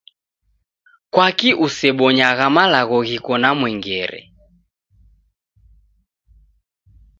Kwaki usebonyagha malagho ghiko na mwengere?